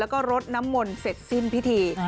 แล้วก็รดน้ำมนต์เสร็จสิ้นพิธี